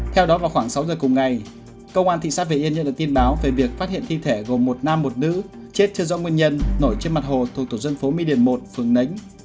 theo đó vào khoảng sáu giờ cùng ngày công an thị xã việt yên nhận được tin báo về việc phát hiện thi thể gồm một nam một nữ chết chưa rõ nguyên nhân nổi trên mặt hồ thổ dân phố mỹ điền một phường nánh